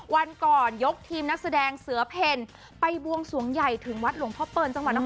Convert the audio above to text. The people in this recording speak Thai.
วันก่อนยกทีมนักแสดงเสือเพลไปบวงสวงใหญ่ถึงวัดหลวงพ่อเปิลจังหวัดนคร